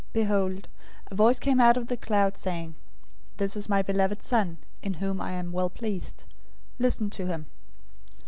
Behold, a voice came out of the cloud, saying, "This is my beloved Son, in whom I am well pleased. Listen to him."